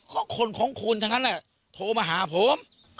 เพราะคนของคุณทั้งนั้นโทรมาหาผม